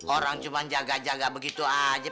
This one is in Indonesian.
orang cuma jaga jaga begitu aja